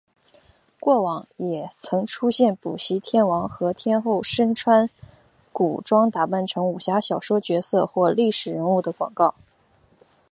过往也曾出现补习天王和天后身穿古装打扮成武侠小说角色或历史人物的广告。